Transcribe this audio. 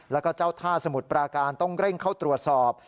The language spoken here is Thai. แล้วก็เจ้าท่าสมุทรปราการต้องเร่งเข้าตรวจสอบ